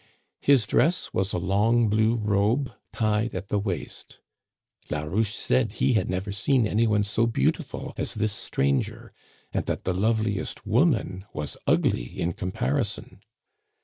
His dress was a long blue robe tied at the waist. Larouche said he had never seen any one so beautiful as this stranger, and that the loveliest woman was ugly in comparison.